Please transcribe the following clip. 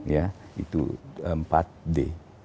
ya itu empat d